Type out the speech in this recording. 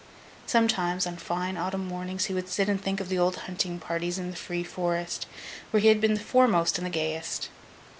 Sometimes, on fine autumn mornings, he would sit and think of the old hunting parties in the free Forest, where he had been the foremost and the gayest.